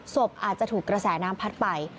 ศพอาจจะถูกกระแสน้ำพัดไป